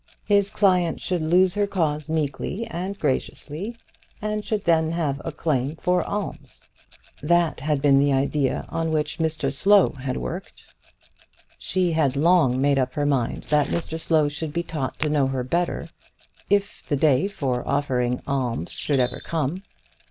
His client should lose her cause meekly and graciously, and should then have a claim for alms. That had been the idea on which Mr Slow had worked. She had long made up her mind that Mr Slow should be taught to know her better, if the day for such offering of alms should ever come.